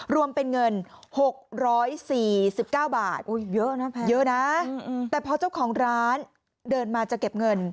รวมเป็นเงิน๖๔๙บาทเยอะนะแพงเยอะนะแต่พอเจ้าของร้านเดินมาจะเก็บเงิน